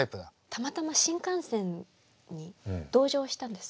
たまたま新幹線に同乗したんです。